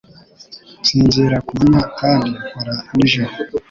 Nsinzira ku manywa kandi nkora nijoro